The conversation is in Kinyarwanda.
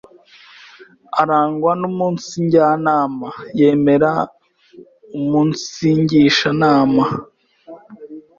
arangwa no umunsijya inama: yemera umunsigisha inama